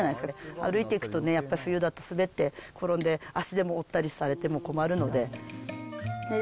歩いていくとね、やっぱり冬だと滑って転んで足でも折ったりされても困るので。